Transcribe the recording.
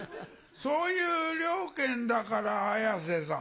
そういう了見だから綾瀬さん。